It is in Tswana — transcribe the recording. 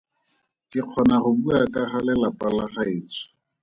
Ke kgona go bua ka ga lelapa la gaetsho.